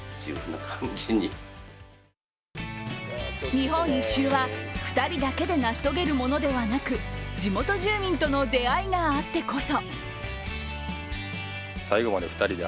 日本１周は、２人だけで成し遂げるものではなく地元住民との出会いがあってこそ。